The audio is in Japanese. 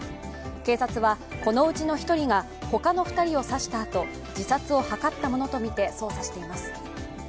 警察はこのうちの１人が他の２人を刺したあと自殺を図ったものとみて捜査しています。